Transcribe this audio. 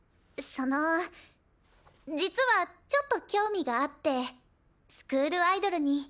その実はちょっと興味があってスクールアイドルに。